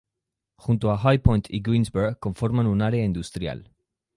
Junto a High Point y Greensboro conforman un área industrial.